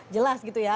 jelas gitu ya